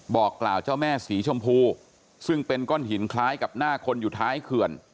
บอกกล่าวเจ้าแม่สีชมพูซึ่งเป็นก้อนหินคล้ายกับหน้าคนอยู่ท้ายเขื่อน